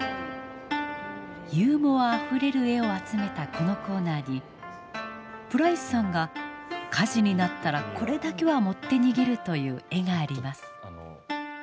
ユーモアあふれる絵を集めたこのコーナーにプライスさんが火事になったらこれだけは持って逃げるという絵があります。